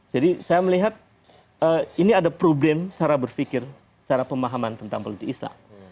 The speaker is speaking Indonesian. jadi saya melihat eee ini ada problem cara berfikir cara pemahaman tentang politik islam